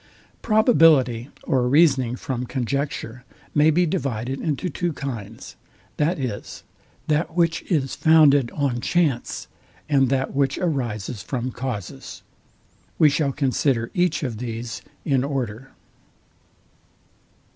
Probability or reasoning from conjecture may be divided into two kinds, viz. that which is founded on chance, and that which arises from causes. We shall consider each of these in order.